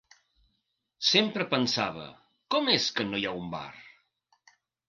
Sempre pensava: “Com és que no hi ha un bar?”